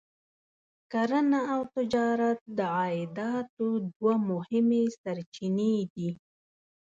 کرنه او تجارت د عایداتو دوه مهمې سرچینې دي.